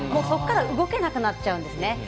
そこから動けなくなっちゃうんですね。